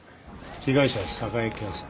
被害者は寒河江健さん。